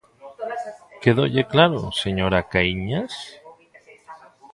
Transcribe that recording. ¿Quedoulle claro, señora Caíñas?